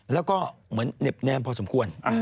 แล้วก็เหมือนเหน็บแนมพอสมควร